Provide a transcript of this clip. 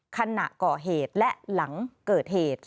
ขณะก่อเหตุและหลังเกิดเหตุ